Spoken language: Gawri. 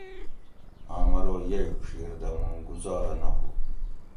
آم ارو یئ ڄھیر دہ مُوں گُزارہ نہ ہُو